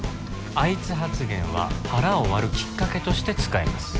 「アイツ」発言は腹を割るきっかけとして使います